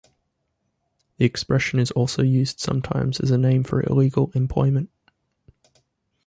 The expression is also used sometimes as a name for illegal employment.